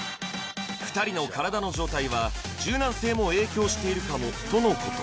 ２人の体の状態は柔軟性も影響しているかもとのこと